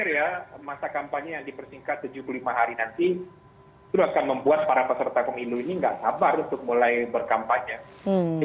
ya masa kampanye yang dipersingkat tujuh puluh lima hari nanti itu akan membuat para peserta pemilu ini nggak sabar untuk mulai berkampanye